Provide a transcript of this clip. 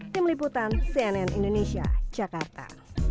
di meliputan cnn indonesia jakarta